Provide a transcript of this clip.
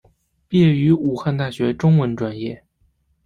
毕业于武汉大学中文专业。